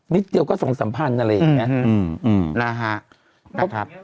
นิดเดียวก็ส่งสัมพันธ์อะไรอย่างนี้